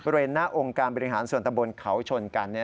บริเวณหน้าองค์การบริหารส่วนตะบนเขาชนกัน